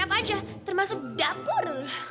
dan apa aja termasuk dapur